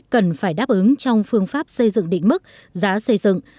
cần phải đáp ứng trong phương pháp xây dựng đỉnh bức giá xây dựng